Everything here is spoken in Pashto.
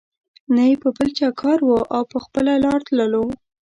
نه یې په بل چا کار وو او په خپله لار تللو.